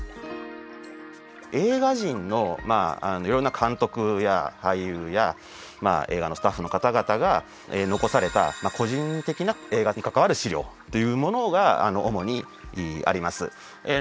映画人のまあいろんな監督や俳優や映画のスタッフの方々が残された個人的な映画に関わる資料というものが主にあります。